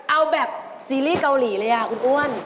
เอาแบบซีรีส์เกาหลีเลยอ่ะคุณอ้วน